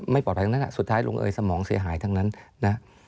ปลอดภัยทั้งนั้นสุดท้ายลงเอยสมองเสียหายทั้งนั้นนะ